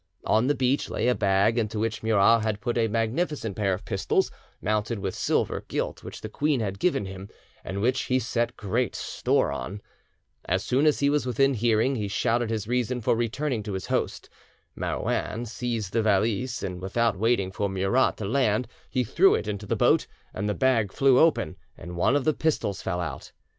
On the beach lay a bag into which Murat had put a magnificent pair of pistols mounted with silver gilt which the queen had given him, and which he set great store on. As soon as he was within hearing he shouted his reason for returning to his host. Marouin seized the valise, and without waiting for Murat to land he threw it into the boat; the bag flew open, and one of the pistols fell out.